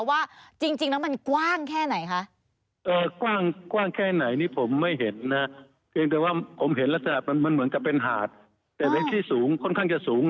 ว่าจริงแล้วมันกว้างแค่ไหนคะ